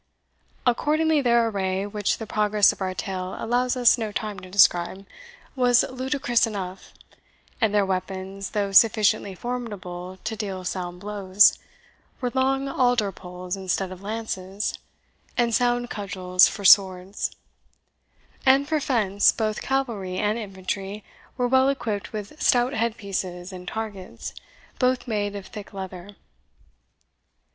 Accordingly their array, which the progress of our tale allows us no time to describe, was ludicrous enough; and their weapons, though sufficiently formidable to deal sound blows, were long alder poles instead of lances, and sound cudgels for swords; and for fence, both cavalry and infantry were well equipped with stout headpieces and targets, both made of thick leather.